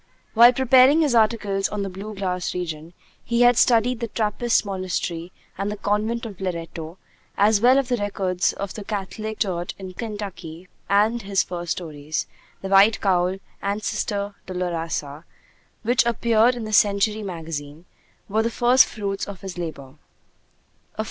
While preparing his articles on 'The Blue Grass Region,' he had studied the Trappist Monastery and the Convent of Loretto, as well as the records of the Catholic Church in Kentucky; and his first stories, 'The White Cowl' and 'Sister Dolorosa,' which appeared in the Century Magazine, were the first fruits of this labor.